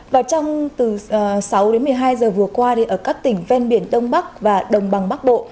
và trong từ sáu đến một mươi hai giờ vừa qua thì ở các tỉnh ven biển đông bắc và đồng bằng bắc bộ